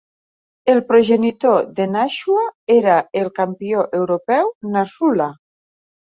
El progenitor de Nashua era el campió europeu Nasrullah.